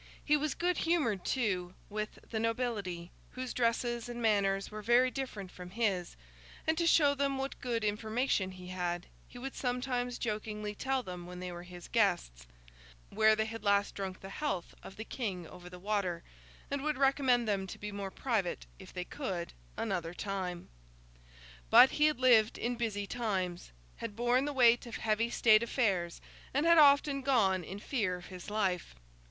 He was good humoured too, with the nobility, whose dresses and manners were very different from his; and to show them what good information he had, he would sometimes jokingly tell them when they were his guests, where they had last drunk the health of the 'King over the water,' and would recommend them to be more private (if they could) another time. But he had lived in busy times, had borne the weight of heavy State affairs, and had often gone in fear of his life.